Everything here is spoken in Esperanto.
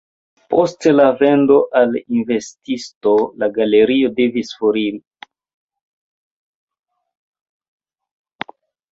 Post la vendo al invenstisto la galerio devis foriri.